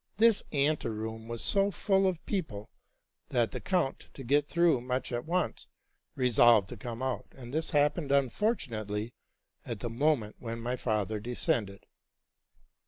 This ante room was so full of people, that the count, to get through much at once, resolved to come out ; and this happened unfortunately at the moment when my father descended.